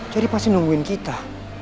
jadi pasti nungguin kita